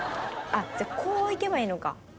あっじゃこう行けばいいのか。